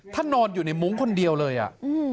นอนอยู่ในมุ้งคนเดียวเลยอ่ะ